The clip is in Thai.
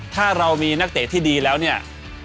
ถ้าเรามีนักเตะที่ดีแล้วเนี่ย